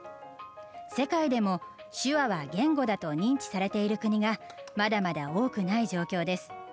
世界でも、手話は言語だと認知されている国がまだまだ多くない状況です。